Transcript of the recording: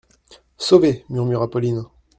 Sauvée ! murmura Pauline.